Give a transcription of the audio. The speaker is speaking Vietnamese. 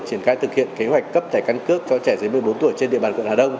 triển khai thực hiện kế hoạch cấp thẻ căn cước cho trẻ dưới một mươi bốn tuổi trên địa bàn quận hà đông